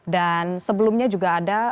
dan sebelumnya juga ada